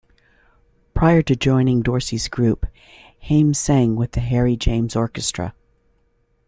Prior to joining Dorsey's group, Haymes sang with the Harry James orchestra.